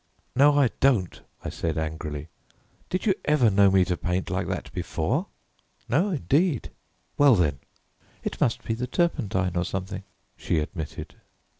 "No, I don't," I said angrily; "did you ever know me to paint like that before?" "No, indeed!" "Well, then!" "It must be the turpentine, or something," she admitted.